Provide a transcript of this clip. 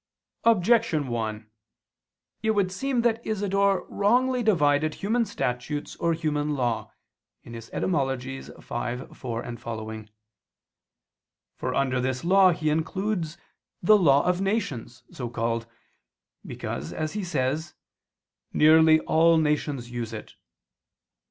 Objection 1: It would seem that Isidore wrongly divided human statutes or human law (Etym. v, 4, seqq.). For under this law he includes the "law of nations," so called, because, as he says, "nearly all nations use it."